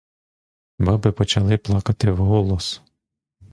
Баби почали плакати вголос.